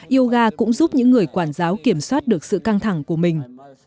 yoga cũng giúp những người quản giáo kiểm soát được sự căng thẳng của mình